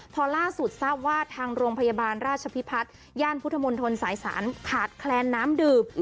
พอล่าสุดทราบว่าทางโรงพยาบาลราชพิพัฒน์ย่านพุทธมนตรสายศาลขาดแคลนน้ำดื่ม